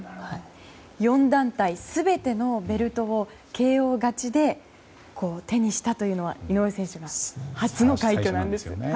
４団体全てのベルトをＫＯ勝ちで手にしたというのは井上選手が初の快挙なんです。